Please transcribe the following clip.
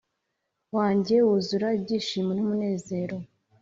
wanjye wuzura ibyishimo n’umunezero